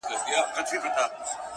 ترڅو له ماڅخه ته هېره سې”